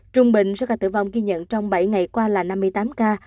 trung bình số ca tử vong ghi nhận trong bảy ngày qua là năm mươi tám ca